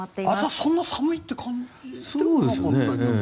朝、そんなに寒いって感じではなかったけど。